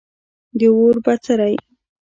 د اور بڅری